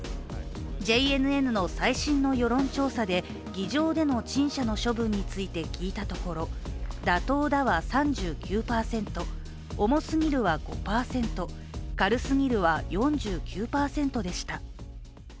ＪＮＮの最新の世論調査で議場での陳謝の処分について聞いたところ、妥当だは３９％、重すぎるは５％、軽すぎるは４９％でした。